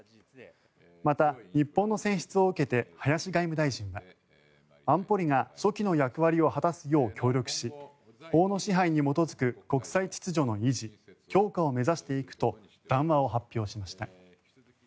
また、日本の選出を受けて林外務大臣は安保理が所期の役割を果たすよう協力し法の支配に基づく国際秩序の維持・強化を目指していくと談話を発表しました。